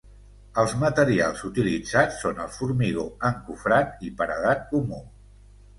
Els materials utilitzats són el formigó encofrat i paredat comú.